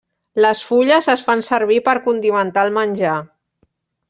Les fulles es fan servir per condimentar el menjar.